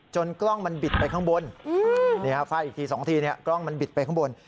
กล้องมันบิดไปข้างบนไฟอีกที๒ทีกล้องมันบิดไปข้างบน